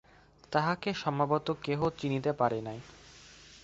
তাহাকে সম্ভবত কেহ চিনিতে পারে নাই।